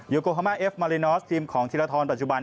โกฮามาเอฟมารินอสทีมของธีรทรปัจจุบัน